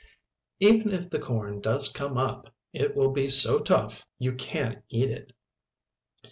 Even if the corn does come up, it will be so tough you can't eat it."